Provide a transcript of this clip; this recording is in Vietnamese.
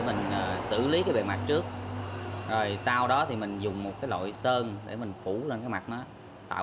mình xử lý về mặt trước rồi sau đó thì mình dùng một cái loại sơn để mình phủ lên cái mặt nó tạo